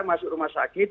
masuk rumah sakit